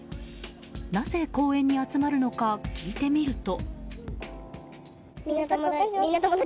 なぜ公園に集まるのか聞いてみると。